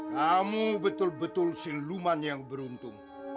kamu betul betul siluman yang beruntung